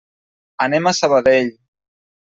Anem a Sabadell.